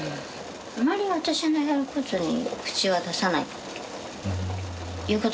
あまり私のやることに口は出さない。